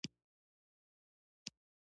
روژه اوږده شوه مځکه تږې ده